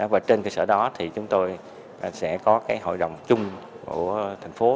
và trên cơ sở đó thì chúng tôi sẽ có cái hội đồng chung của thành phố